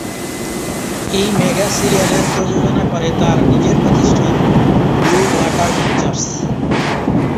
এই মেগা সিরিয়ালের প্রযোজনা করে তার নিজের প্রতিষ্ঠান, ব্লু ওয়াটার পিকচারস।